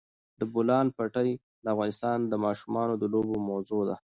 د بولان پټي د افغان ماشومانو د لوبو موضوع ده.